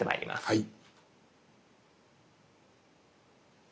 はい。